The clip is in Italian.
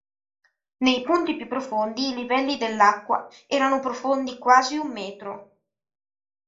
Nei punti più profondi i livelli dell'acqua erano profondi quasi un metro.